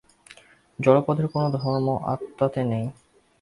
জড়পদার্থের কোন ধর্ম আত্মাতে নাই।